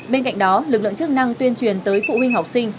bên cạnh đó lực lượng chức năng tuyên truyền tới phụ huynh học sinh